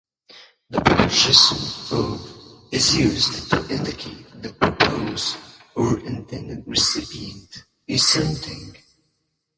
The preposition "for" is used to indicate the purpose or intended recipient of something.